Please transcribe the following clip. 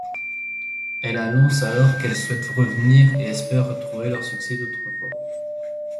Elles annoncent alors qu'elles souhaitent revenir et espèrent retrouver leur succès d'autrefois.